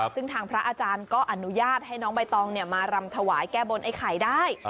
ซึ่งทางพระอาจารย์ก็อนุญาตให้น้องใบตองมารำถวายแก้บนไอ้ไข่ได้